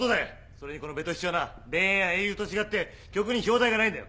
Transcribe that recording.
それにこの『ベト７』はな『田園』や『英雄』と違って曲に表題がないんだよ。